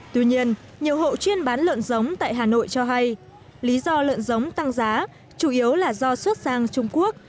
tuy nhiên nhiều hộ chuyên bán lợn giống tại hà nội cho hay lý do lợn giống tăng giá chủ yếu là do xuất sang trung quốc